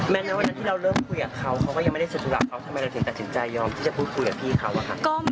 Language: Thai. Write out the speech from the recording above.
แมนว่าที่เราเริ่มคุยกับเขาเขาก็ยังไม่ได้สิทธิ์สุดหลากเขาทำไมเราถึงกัดสินใจยอมที่จะพูดคุยกับพี่เขาอ่ะค่ะ